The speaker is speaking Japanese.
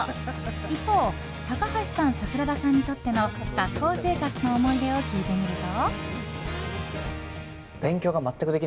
一方、高橋さん桜田さんにとっての学校生活の思い出を聞いてみると。